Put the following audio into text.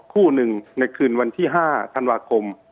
คู่หนึ่งในคืนวันที่๕ธันวาคม